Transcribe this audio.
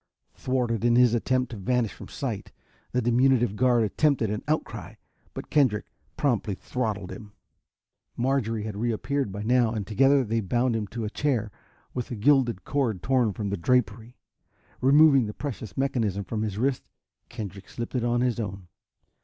Thwarted in his attempt to vanish from sight, the diminutive guard attempted an outcry. But Kendrick promptly throttled him. Marjorie had reappeared by now and together they bound him to a chair with a gilded cord torn from the drapery. Removing the precious mechanism from his wrist, Kendrick slipped it on his own.